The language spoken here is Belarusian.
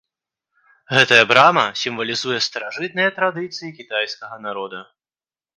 Гэтая брама сімвалізуе старажытныя традыцыі кітайскага народа.